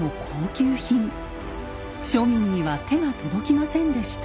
庶民には手が届きませんでした。